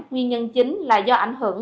nguyên nhân chính là do ảnh hưởng